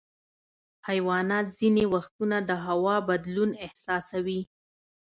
حیوانات ځینې وختونه د هوا بدلون احساسوي.